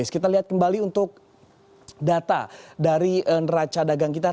kita lihat kembali untuk data dari neraca dagang kita